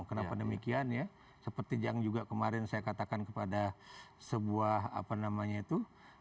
kenapa demikian ya seperti yang juga kemarin saya katakan kepada sebuah apa namanya itu